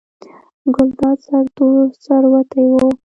ګلداد سرتور سر وتی و.